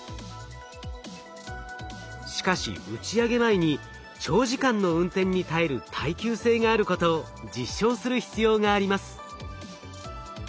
しかし打ち上げ前に長時間の運転に耐える耐久性があることを実証する必要があります。